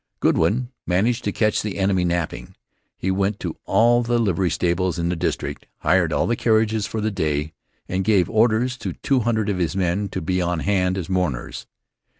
Goodwin managed to catch the enemy napping. He went to all the livery stables in the district, hired all the carriages for the day, and gave orders to two hundred of his men to be on hand as mourners.